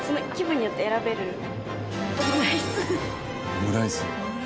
オムライス。